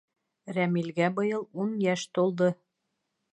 Рәмилгә быйыл ун йәш тулды.